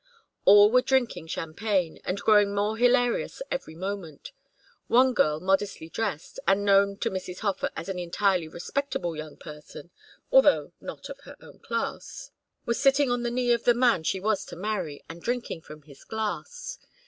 All were drinking champagne and growing more hilarious every moment. One girl modestly dressed, and known to Mrs. Hofer as an entirely respectable young person, although not of her own class, was sitting on the knee of the man she was to marry, and drinking from his glass.